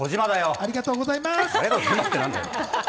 ありがとうございます。